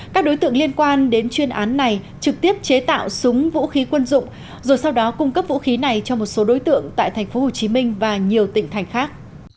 các đối tượng liên quan đến chuyên án này trực tiếp chế tạo súng vũ khí quân dụng rồi sau đó cung cấp vũ khí này cho một số đối tượng tại tp hcm và nhiều tỉnh thành khác